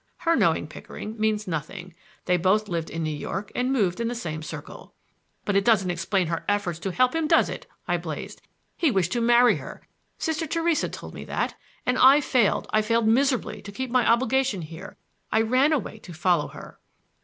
Her knowing Pickering means nothing,—they both lived in New York and moved in the same circle." "But it doesn't explain her efforts to help him, does it?" I blazed. "He wished to marry her,—Sister Theresa told me that,—and I failed, I failed miserably to keep my obligation here—I ran away to follow her!"